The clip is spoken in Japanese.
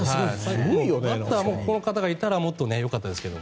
バッターも、この方いたらもっとよかったですけど。